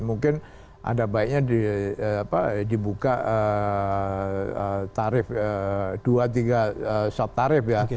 mungkin ada baiknya dibuka tarif dua tiga shot tarif ya